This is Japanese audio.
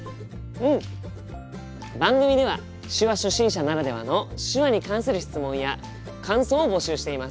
番組では手話初心者ならではの手話に関する質問や感想を募集しています。